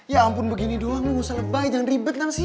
ya ampun begini doang nggak usah lebay jangan ribet kan sih